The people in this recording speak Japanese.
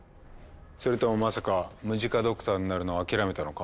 それともまさかムジカドクターになるのを諦めたのか？